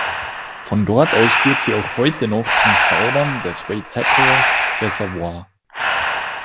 Von dort aus führt sie auch heute noch zum Staudamm des Waitakere Reservoir.